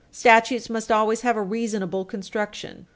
Statutes must always have a reasonable construction.